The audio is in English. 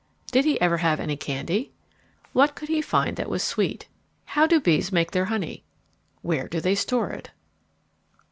Did he ever have any candy? What could he find that was sweet? How do bees make their honey? Where do they store it?